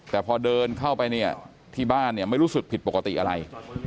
แต่พอเดินเข้าไปเนี่ยที่บ้านเนี่ยไม่รู้สึกผิดปกติอะไร